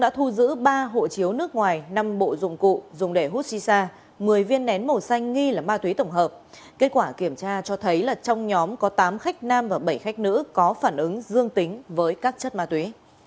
trong nhóm có tám khách nam và bảy khách nữ có phản ứng dương tính với các chất ma túy